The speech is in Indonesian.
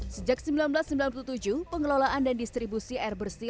sejak seribu sembilan ratus sembilan puluh tujuh pengelolaan dan distribusi air bersih